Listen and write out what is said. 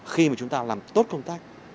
khi mà chúng ta làm tốt công tác